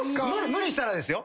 無理したらですよ。